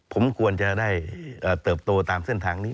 ผมควรจะได้เติบโตตามเส้นทางนี้